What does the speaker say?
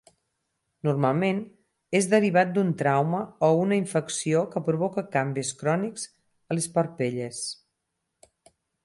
Normalment, és derivat d'un trauma o una infecció que provoca canvis crònics a les parpelles.